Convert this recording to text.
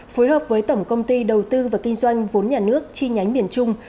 phối hợp với tổng công ty đầu tư và kinh doanh vốn nhà nước chi nhánh miền trung